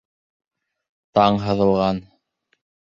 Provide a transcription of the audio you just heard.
Таң һыҙылған...